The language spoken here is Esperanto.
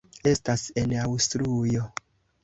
Estas en Aŭstrujo.